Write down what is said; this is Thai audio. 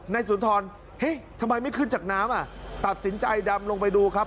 สุนทรเฮ้ยทำไมไม่ขึ้นจากน้ำอ่ะตัดสินใจดำลงไปดูครับ